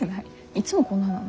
いつもこんななの？